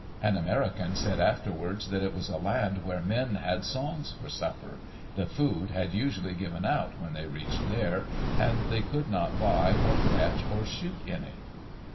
An American said afterwards that it was a land where "men had songs for supper" — the food had usually given out when they reached there, and they could not buy or catch or shoot any.